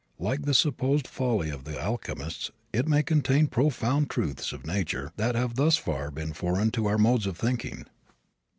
Like the supposed folly of the alchemists it may contain profound truths of nature that have thus far been foreign to our modes of thinking.